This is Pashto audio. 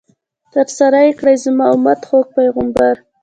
ترسره کړئ، زما امت ، خوږ پیغمبر